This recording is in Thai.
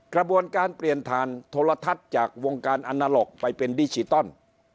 กระบวนการเปลี่ยนผ่านโทรทัศน์จากวงการอนาล็อกไปเป็นดิจิตอล